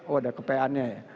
oh ada kepeannya ya